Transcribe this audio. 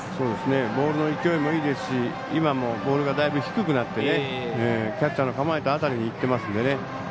ボールの勢いもいいですし今も、ボールがだいぶ低くなってキャッチャーの構えた辺りにいってますので。